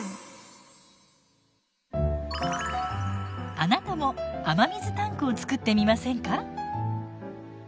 あなたも雨水タンクをつくってみませんか？